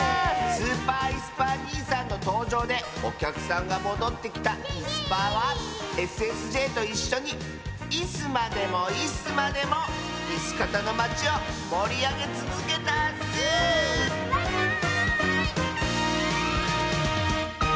スーパーいすパーにいさんのとうじょうでおきゃくさんがもどってきたいすパーはＳＳＪといっしょにいすまでもいすまでもいすかたのまちをもりあげつづけたッスバイバーイ！